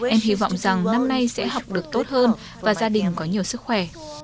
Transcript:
em hy vọng rằng năm nay sẽ học được tốt hơn và gia đình có nhiều sức khỏe